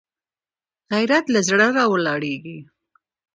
غیرت له زړه راولاړېږي